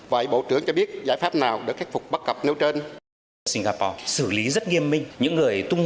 vậy bộ trưởng cho biết giải pháp nào để khắc phục bất cập nếu trên